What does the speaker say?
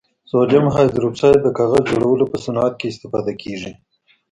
سوډیم هایدروکسایډ د کاغذ جوړولو په صنعت کې استفاده کیږي.